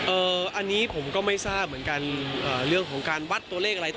อันนี้ผมก็ไม่ทราบเหมือนกันเรื่องของการวัดตัวเลขอะไรต่อ